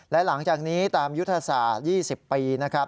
และหลังจากนี้ตามยุทธศาสตร์๒๐ปีนะครับ